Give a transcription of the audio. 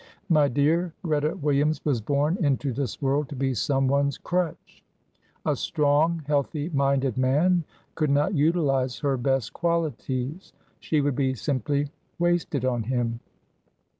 "My dear, Greta Williams was born into this world to be someone's crutch. A strong, healthy minded man could not utilise her best qualities. She would be simply wasted on him.